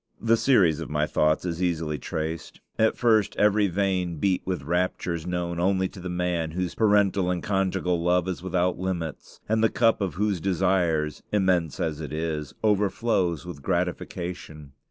The series of my thoughts is easily traced. At first every vein beat with raptures known only to the man whose parental and conjugal love is without limits, and the cup of whose desires, immense as it is, overflows with gratification.